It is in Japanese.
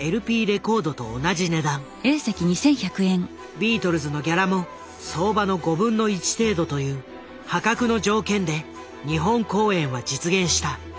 ビートルズのギャラも相場の程度という破格の条件で日本公演は実現した。